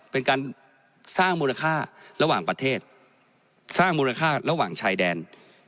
เป็นการสร้างมูลค่าระหว่างประเทศสร้างมูลค่าระหว่างชายแดน